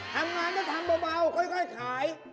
ทำงานก็ทำเบาค่อยขาย